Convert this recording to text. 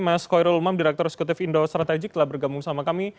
mas khoirul umam direktur eksekutif indo strategik telah bergabung sama kami